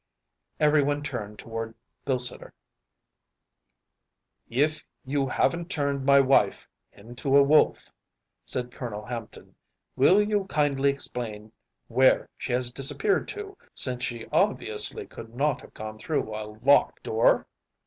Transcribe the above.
Everyone turned towards Bilsiter. “If you haven’t turned my wife into a wolf,‚ÄĚ said Colonel Hampton, “will you kindly explain where she has disappeared to, since she obviously could not have gone through a locked door?